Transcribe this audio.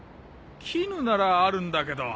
絹ならあるんだけど。